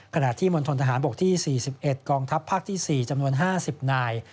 ขณะที่มณฑนทหารบกที่๔๑กองทัพภาคที่๔จำนวน๕๐นาย